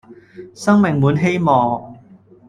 生命滿希望